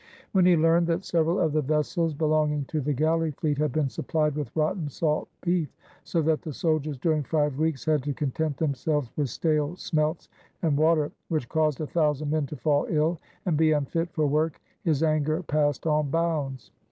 When he learned that several of the vessels belonging to the galley fleet had been suppUed with rotten salt beef, so that the soldiers during five weeks had to con tent themselves with stale smelts and water, which caused a thousand men to fall ill, and be unfit for work, his anger passed all bounds.